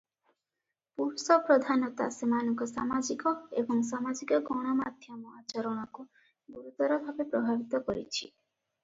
ପୁରୁଷପ୍ରଧାନତା ସେମାନଙ୍କ ସାମାଜିକ ଏବଂ ସାମାଜିକ ଗଣମାଧ୍ୟମ ଆଚରଣକୁ ଗୁରୁତର ଭାବେ ପ୍ରଭାବିତ କରିଛି ।